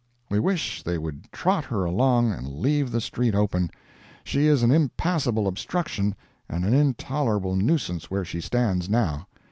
We wish they would trot her along and leave the street open; she is an impassable obstruction and an intolerable nuisance where she stands now.